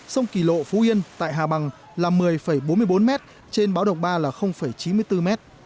sông kỳ lộ phú yên tại hà bằng là một mươi bốn mươi bốn m trên báo động ba là chín mươi bốn m